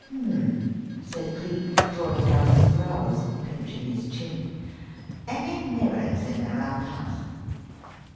'" "Hum m m!" said Cleek, drawing down his brows and pinching his chin. "Any mirrors in the Round House?"